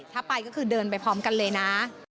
ถ้าไปก็คือเดินไปพร้อมกันเลยนะ